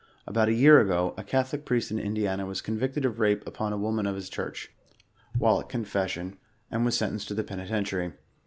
About a year ago, a Catholic priest in Indiana was convicted of rape upon a woman of his church, while at confession, and was sentenced to the penitentiary.